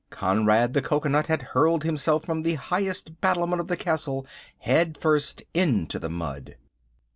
Conrad the Cocoanut had hurled himself from the highest battlement of the castle head first into the mud.